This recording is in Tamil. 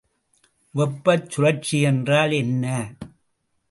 வெப்பச் சுழற்சி என்றால் என்ன?